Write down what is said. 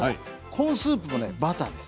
コーンスープもバターです。